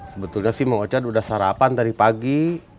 sebetulnya sih bang ocat udah sarapan tadi pagi